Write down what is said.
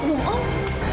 tolong jawab om